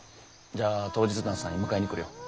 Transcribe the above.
じゃあ当日の朝に迎えに来るよ。